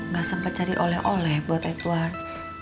gak sempat cari oleh oleh buat edward